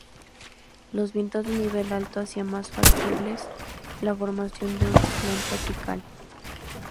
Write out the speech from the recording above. Los vientos de nivel alto hacían más factibles la formación de un ciclón tropical.